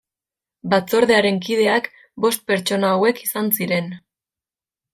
Batzordearen kideak bost pertsona hauek izan ziren.